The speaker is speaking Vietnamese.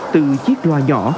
từ chiếc loa nhỏ